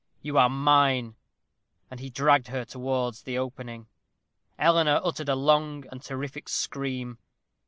You are mine." And he dragged her towards the opening. Eleanor uttered a long and terrific scream.